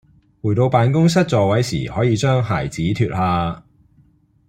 回到辦公室座位時可以將鞋子脫下